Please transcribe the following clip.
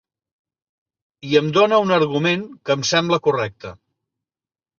I em dóna un argument que em sembla correcte.